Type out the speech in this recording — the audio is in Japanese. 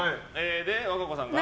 和歌子さんが？